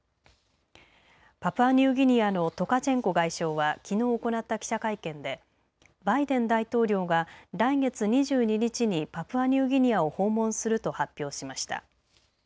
パプアニューギニアのトカチェンコ外相はきのう行った記者会見でバイデン大統領が来月２２日にパプアニューギニアを訪問すると発表しました。